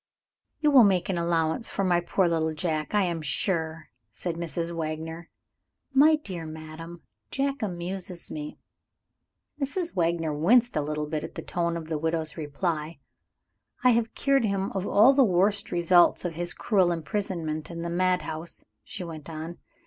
"You will make allowances for my poor little Jack, I am sure," said Mrs. Wagner. "My dear madam, Jack amuses me!" Mrs. Wagner winced a little at the tone of the widow's reply. "I have cured him of all the worst results of his cruel imprisonment in the mad house," she went on.